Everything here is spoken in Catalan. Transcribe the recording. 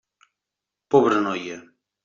Pobra noia!